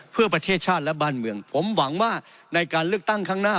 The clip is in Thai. เพื่อประเทศชาติและบ้านเมืองผมหวังว่าในการเลือกตั้งข้างหน้า